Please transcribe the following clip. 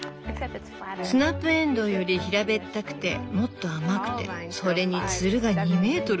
スナップエンドウより平べったくてもっと甘くてそれにツルが２メートルを超えるって。